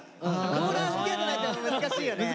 ローラースケートないと難しいよね。